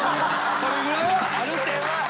それぐらいはあるて。